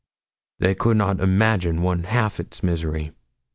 They could not imagine one half its misery.